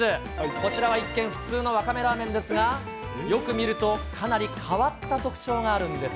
こちらは一見普通のわかめラーメンですが、よく見ると、かなり変わった特徴があるんです。